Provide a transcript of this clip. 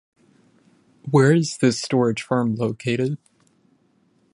Where is this storage farm located?